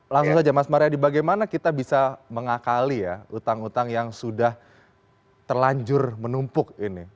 langsung saja mas mariadi bagaimana kita bisa mengakali ya utang utang yang sudah terlanjur menumpuk ini